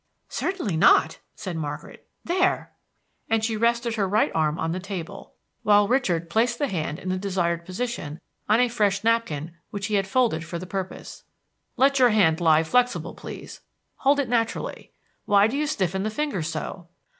"Certainly not," said Margaret. "There!" and she rested her right arm on the table, while Richard placed the hand in the desired position on a fresh napkin which he had folded for the purpose. "Let your hand lie flexible, please. Hold it naturally. Why do you stiffen the fingers so?"